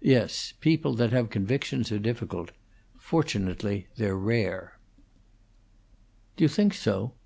"Yes, people that have convictions are difficult. Fortunately, they're rare." "Do you think so?